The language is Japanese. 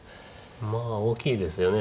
まあ大きいですよね